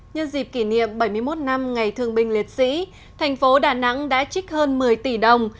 nhân dịp kỷ niệm bảy mươi một năm ngày thương binh liệt sĩ thành phố đà nẵng đã trích hơn một mươi tỷ đồng